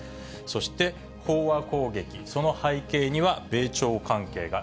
そして飽和攻撃、その背景には米朝関係が。